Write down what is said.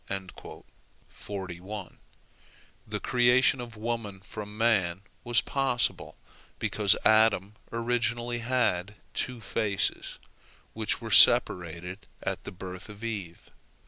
" The creation of woman from man was possible because Adam originally had two faces, which were separated at the birth of Eve.